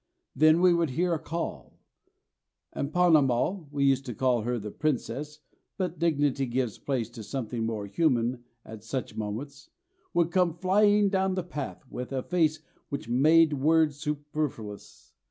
Then we would hear a call, and Ponnamal (we used to call her the Princess, but dignity gives place to something more human at such moments) would come flying down the path with a face which made words superfluous.